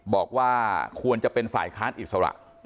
บอกว่าควรจะเป็นฝ่ายค้านอิสระ